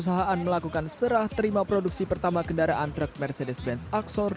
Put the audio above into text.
perusahaan melakukan serah terima produksi pertama kendaraan truk mercedes benz aksor